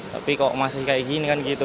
tapi kok masih kayak gini kan gitu